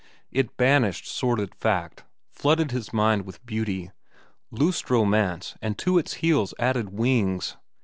It banished sordid fact, flooded his mind with beauty, loosed romance and to its heels added wings.